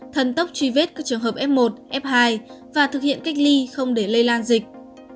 thần tốc truy vết các trường hợp f một f hai và thực hiện cách ly không để lây lan dịch